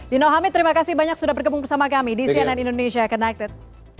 dino hamid terima kasih banyak sudah bergabung bersama kami di cnn indonesia connected